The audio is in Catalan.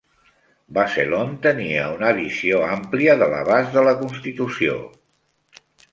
Bazelon tenia una visió ampla de l'abast de la Constitució.